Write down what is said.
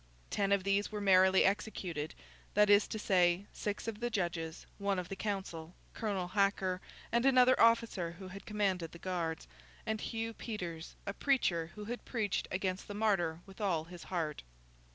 Ten of these were merrily executed; that is to say, six of the judges, one of the council, Colonel Hacker and another officer who had commanded the Guards, and Hugh Peters, a preacher who had preached against the martyr with all his heart.